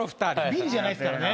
ビリじゃないっすから。